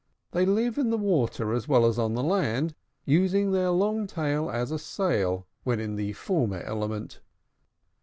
They live in the water as well as on land, using their long tail as a sail when in the former element.